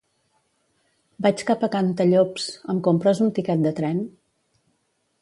Vaig cap a Cantallops; em compres un tiquet de tren?